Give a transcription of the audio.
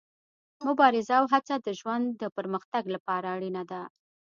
مبارزه او هڅه د ژوند د پرمختګ لپاره اړینه ده.